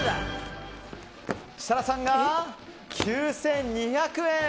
設楽さんが９２００円。